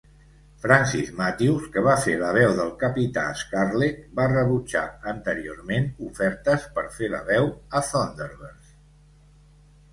Francis Matthews, que va fer la veu del Capità Scarlet, va rebutjar anteriorment ofertes per fer la veu a "Thunderbirds".